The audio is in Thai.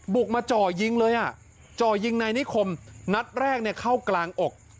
บุกมาจ่อยิงเลยอ่ะจ่อยิงนายนิคมนัดแรกเนี่ยเข้ากลางอก